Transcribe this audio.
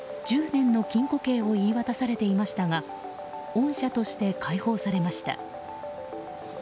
１０年の禁固刑を言い渡されていましたが恩赦として解放されました。